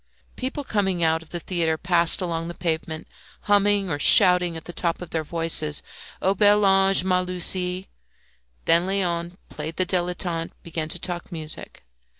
People coming out of the theatre passed along the pavement, humming or shouting at the top of their voices, "O bel ange, ma Lucie!" Then Léon, playing the dilettante, began to talk music.